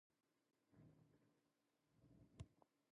To the southeast is the prominent walled plain Neper.